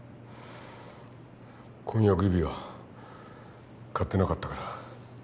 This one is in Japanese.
婚約指輪買ってなかったから。